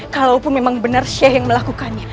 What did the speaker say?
kalaupun memang benar sheikh yang melakukannya